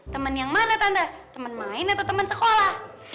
temen yang mana tante temen main atau temen sekolah